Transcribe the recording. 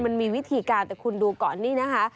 มันมีวิธีการแต่คุณดูก่อนนี่นะคะ